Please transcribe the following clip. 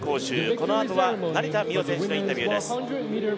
このあとは成田実生選手のインタビューです。